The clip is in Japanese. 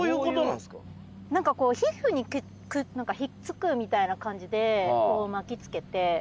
なんかこう皮膚にひっつくみたいな感じでこう巻きつけて。